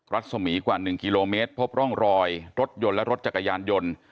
รัศมีกว่า๑กิโลเมตรพบร่องรอยรถยนต์และรถจักรยานยนต์